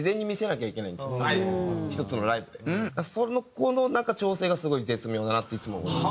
この調整がすごい絶妙だなっていつも思いますね。